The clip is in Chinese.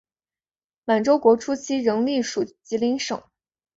满洲国初期仍隶属吉林省。